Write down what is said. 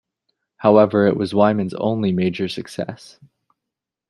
However it was Wyman's only major success.